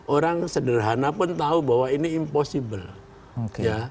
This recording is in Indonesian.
orang sederhana pun tahu bahwa ini impossible